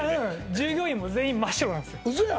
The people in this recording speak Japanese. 従業員も全員真っ白なんですよ嘘や！？